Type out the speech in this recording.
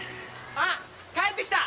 あっ帰ってきた！